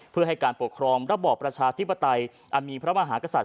เพื่อให้การปกครองระบอบประชาธิปไตยอันมีพระมหากษัตริย